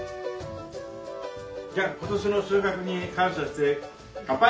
じゃあ今年の収穫に感謝して乾杯！